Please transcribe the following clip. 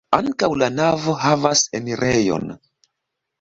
Ankaŭ la navo havas enirejon.